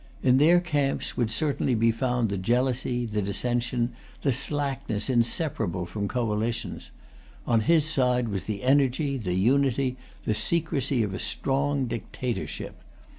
In their camps would certainly be found the jealousy, the dissension, the slackness inseparable from coalitions; on his side was the energy, the unity, the secrecy of a strong dictatorship.